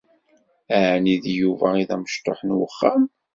Ɛni d Yuba i d amecṭuḥ n wexxam?